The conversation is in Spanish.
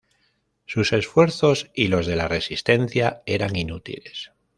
Sus esfuerzos y los de la resistencia eran inútiles.